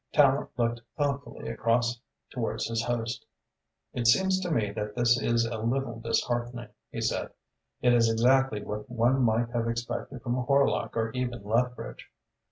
Tallente looked thoughtfully across towards his host. "It seems to me that this is a little disheartening," he said. "It is exactly what one might have expected from Horlock or even Lethbridge.